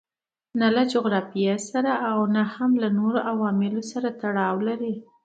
نه له جغرافیې سره او نه هم له نورو عواملو سره تړاو لري.